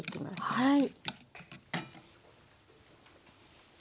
はい。